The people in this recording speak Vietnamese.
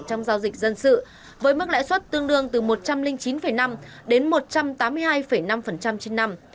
trong giao dịch dân sự với mức lãi suất tương đương từ một trăm linh chín năm đến một trăm tám mươi hai năm trên năm